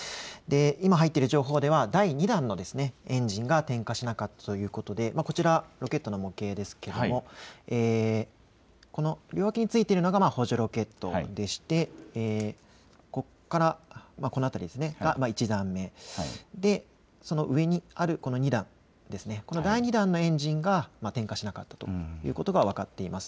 今入っている情報では第２段のエンジンが点火しなかったということでこちらロケットの模型ですが両脇についているのが補助ロケットでここからこの辺りが１段目、そしてその上にある２段、この第２段のエンジンが点火しなかったということが分かっています。